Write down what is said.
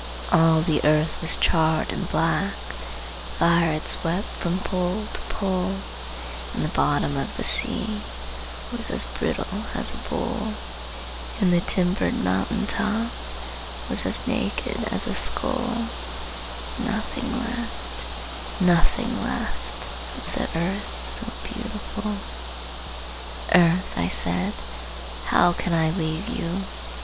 All the earth was charred and black, Fire had swept from pole to pole; And the bottom of the sea Was as brittle as a bowl; And the timbered mountain top Was as naked as a skull, Nothing left, nothing left, Of the Earth so beautiful! "Earth," I said, "how can I leave you?"